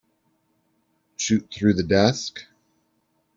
Shoot through the desk.